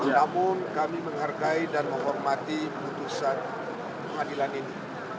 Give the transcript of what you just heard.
namun kami menghargai dan menghormati putusan pengadilan ini